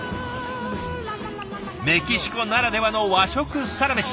メキシコならではの和食サラメシ